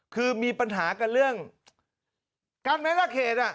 คือมีปัญหากันเรื่องการแม้ละเขต